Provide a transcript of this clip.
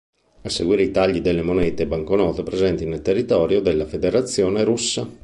A seguire i tagli delle monete e banconote presenti nel territorio della Federazione russa.